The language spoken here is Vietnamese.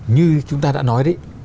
như chúng ta đã nói đấy